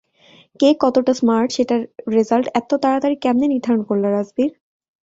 কে কতটা স্মার্ট, সেটার রেজাল্ট এত্ত তাড়াতাড়ি কেম্নে নির্ধারণ করলা, রাজবীর?